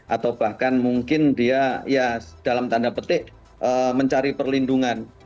atau bahkan mungkin dia ya dalam tanda petik mencari perlindungan